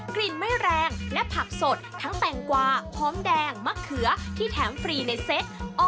กลิ่นไม่แรงและผักสดทั้งแตงกวาหอมแดงมะเขือที่แถมฟรีในเซต